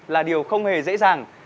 là điều không hề dễ dàng